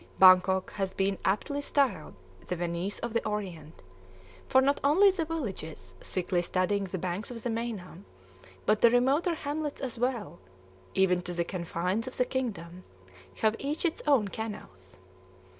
Bangkok has been aptly styled "the Venice of the Orient"; for not only the villages thickly studding the banks of the Meinam, but the remoter hamlets as well, even to the confines of the kingdom, have each its own canals.